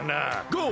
「ゴー！